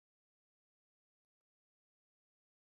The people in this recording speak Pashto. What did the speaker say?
واوره د افغانستان د جغرافیې یوه ښه بېلګه ده.